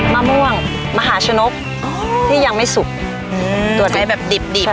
มะม่วงมหาชนบอ๋อที่ยังไม่สุกอืมตัวใดแบบดิบดิบ